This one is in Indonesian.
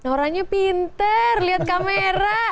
naura nya pinter liat kamera